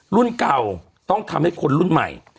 รุ่นเก่าต้องทำให้คนรุ่นใหม่